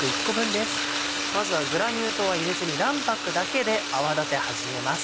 まずはグラニュー糖は入れずに卵白だけで泡立て始めます。